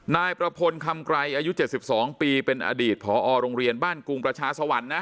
นายประพลคำไกรอายุ๗๒ปีเป็นอดีตผอโรงเรียนบ้านกรุงประชาสวรรค์นะ